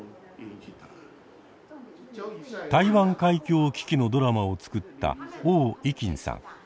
台湾海峡危機のドラマを作った汪怡さん。